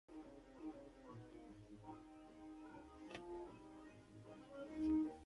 Es obra del arquitecto Manuel Sainz de Vicuña García-Prieto.